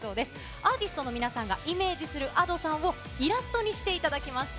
アーティストの皆さんがイメージするＡｄｏさんを、イラストにしていただきました。